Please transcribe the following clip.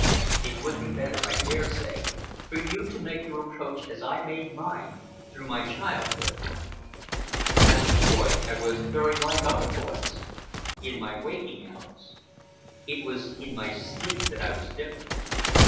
It would be better, I dare say, for you to make your approach, as I made mine, through my childhood. As a boy I was very like other boys—in my waking hours. It was in my sleep that I was different.